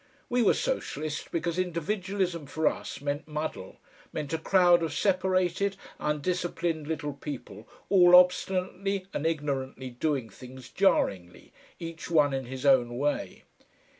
We were socialists because Individualism for us meant muddle, meant a crowd of separated, undisciplined little people all obstinately and ignorantly doing things jarringly, each one in his own way.